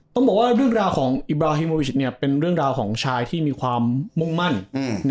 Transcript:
ต้องบอกว่าเรื่องราวของอิบราฮิโมวิชเป็นเรื่องราวของชายที่มีความมุ่งมั่น